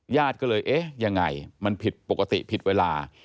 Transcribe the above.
ญาติก็เลยเอ๊ะยังไงมันผิดปกติผิดเวลา